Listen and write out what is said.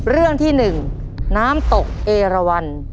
เรื่องที่๑น้ำตกเอเวอร์